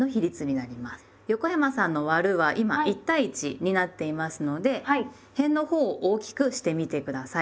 横山さんの「『割』る」は今１対１になっていますのでへんのほうを大きくしてみて下さい。